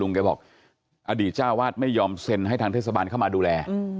แกบอกอดีตเจ้าวาดไม่ยอมเซ็นให้ทางเทศบาลเข้ามาดูแล